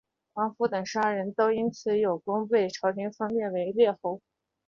王甫等十二人都因此有功被朝廷封为列侯。